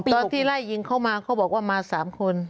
ตอนที่ไล่ยิงเขามาเขาบอกว่ามา๓คน